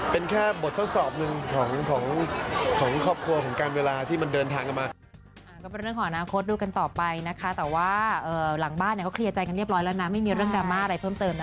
เป็นแค่บททดสอบหนึ่งของครอบครัวของการเวลาที่มันเดินทางกันมา